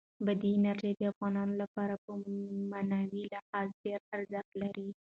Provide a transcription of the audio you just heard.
بادي انرژي د افغانانو لپاره په معنوي لحاظ ډېر ارزښت لري.